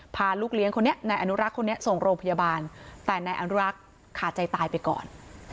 พาลูกเลี้ยงคนนี้นายอนุรักษ์คนนี้ส่งโรงพยาบาลแต่นายอนุรักษ์ขาดใจตายไปก่อน